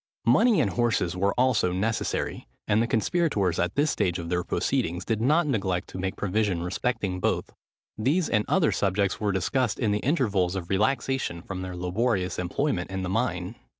Money and horses were also necessary: and the conspirators, at this stage of their proceedings, did not neglect to make provision respecting both. These and other subjects were discussed in the intervals of relaxation from their laborious employment in the mine.